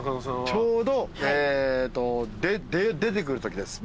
ちょうど出てくるときです